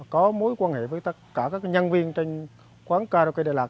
có mối quan hệ với tất cả các nhân viên trên quán karaoke đài lạt